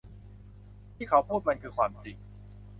ที่เขาพูดมันคือความจริง